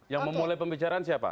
yang memulai pembicaraan siapa